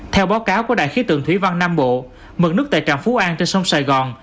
theo báo cáo của đại khí tượng thủy văn nam bộ mực nước tại trạm phú an trên sông sài gòn